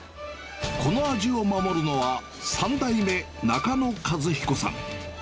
この味を守るのは、３代目、中野和彦さん。